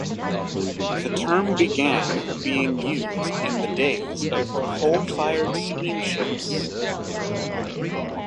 The term began being used in the days of the coal-fired steamships.